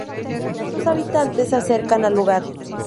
Sus habitantes se acercan al lugar.